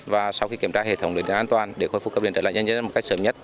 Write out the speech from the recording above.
và sau khi kiểm tra hệ thống lưới điện an toàn để khôi phục cấp điện trở lại nhân dân một cách sớm nhất